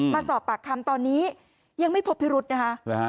มาสอบปากคำตอนนี้ยังไม่พบพิรุธนะคะ